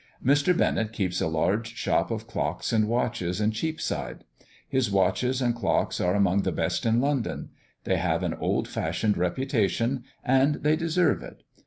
Mr. Bennett keeps a large shop of clocks and watches in Cheapside. His watches and clocks are among the best in London; they have an old established reputation, and they deserve it.